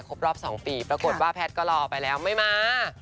รอบ๒ปีปรากฏว่าแพทย์ก็รอไปแล้วไม่มา